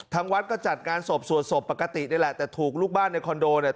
วัดก็จัดงานศพสวดศพปกตินี่แหละแต่ถูกลูกบ้านในคอนโดเนี่ย